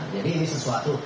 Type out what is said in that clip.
jadi ini sesuatu